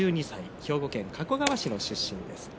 兵庫県加古川市の出身です。